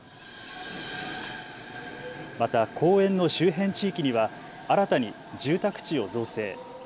また公園の周辺地域には新たに住宅地を造成。